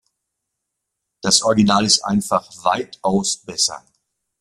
Das Original ist einfach weitaus besser.